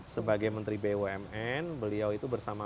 sebagai menteri bumn beliau itu bersama